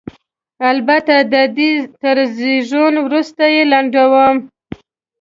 البته د دې تر زېږون وروسته یې لنډوم.